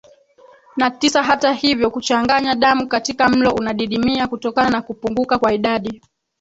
na tisa Hata hivyo kuchanganya damu katika mlo unadidimia kutokana na kupunguka kwa idadi